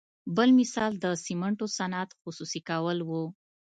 بل مثال د سمنټو صنعت خصوصي کول وو.